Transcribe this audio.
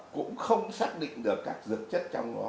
cũng không xác định được các dược chất trong nó gồm là cái gì